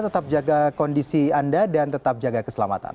tetap jaga kondisi anda dan tetap jaga keselamatan